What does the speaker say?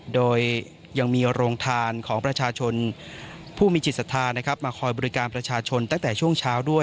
โดยยังมีโรงทานของประชาชนผู้มีจิตศรัทธานะครับมาคอยบริการประชาชนตั้งแต่ช่วงเช้าด้วย